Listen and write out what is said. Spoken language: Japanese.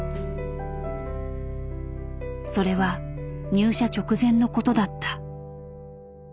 それは入社直前のことだった。